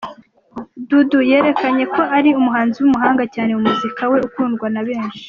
Dudu yerekanye ko ari umuhanzi w'umuhanga cyane mu muziki we ukundwa na benshi.